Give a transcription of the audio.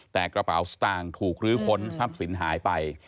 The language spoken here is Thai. แต่กระเป๋าสตางค์ถูกลื้อค้นทรัพย์สินหายไป